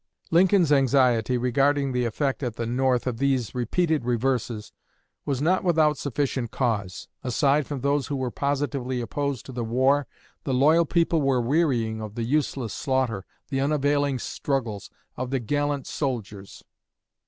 Lincoln's anxiety regarding the effect at the North of these repeated reverses was not without sufficient cause. Aside from those who were positively opposed to the war, the loyal people were wearying of the useless slaughter, the unavailing struggles, of the gallant soldiers.